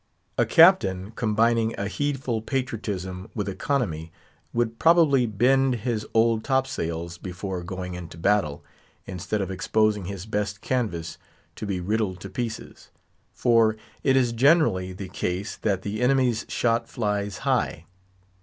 A captain combining a heedful patriotism with economy would probably "bend" his old topsails before going into battle, instead of exposing his best canvas to be riddled to pieces; for it is generally the case that the enemy's shot flies high.